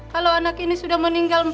kalau anak ini sudah meninggal